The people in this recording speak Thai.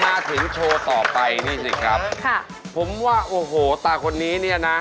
มาถึงโชว์ต่อไปนี่สิครับค่ะผมว่าโอ้โหตาคนนี้เนี่ยนะ